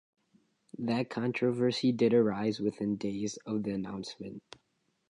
That controversy did arise within days of the announcement.